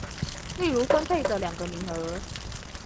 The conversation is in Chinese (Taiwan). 例如分配的二個名額